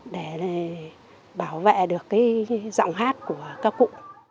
để bảo vệ được cái giọng hát của các cụ